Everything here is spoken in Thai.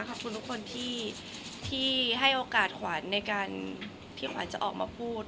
ขอบคุณทุกคนที่ให้โอกาสขวัญในการที่ขวัญจะออกมาพูด